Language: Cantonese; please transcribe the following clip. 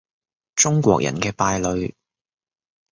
中國人嘅敗類